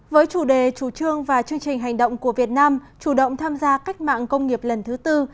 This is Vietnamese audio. với chủ đề chủ trương và chương trình hành động của việt nam chủ động tham gia cách mạng công nghiệp lần thứ tư